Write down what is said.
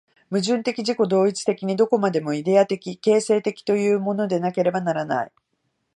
矛盾的自己同一的に、どこまでもイデヤ的形成的ということでなければならない。